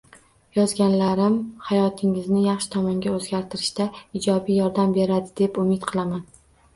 Yozganlarim hayotingizni yaxshi tomonga o’zgartirishda ijobiy yordam beradi deb umid qilaman